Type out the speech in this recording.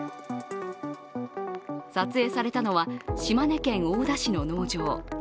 撮影されたのは島根県大田市の農場。